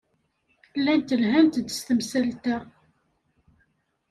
Llant lhant-d s temsalt-a.